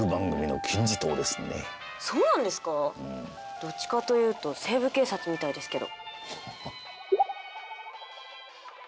どっちかというと「西部警察」みたいですけど。